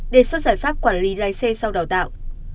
đề xuất giải pháp quản lý lái xe sau đào tạo